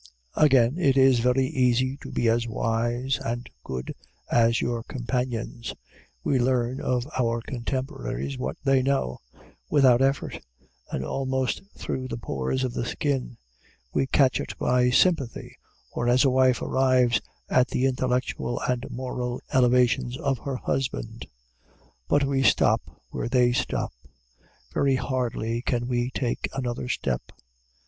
Again: it is very easy to be as wise and good as your companions. We learn of our contemporaries what they know, without effort, and almost through the pores of the skin. We catch it by sympathy, or as a wife arrives at the intellectual and moral elevations of her husband. But we stop where they stop. Very hardly can we take another step.